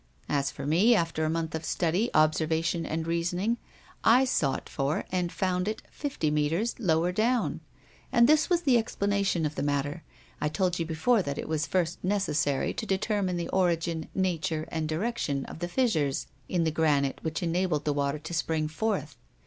As for me, after a month of study, observation, and reasoning, I sought for and found it fifty meters lower down. And this was the explanation of the matter: I told you before that it was first necessary to determine the origin, nature, and direction of the fissures in the granite which enabled the water to spring forth.